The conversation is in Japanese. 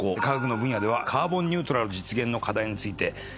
科学の分野ではカーボンニュートラル実現の課題について。